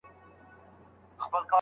د کوترو له کهاله، په یوه شان یو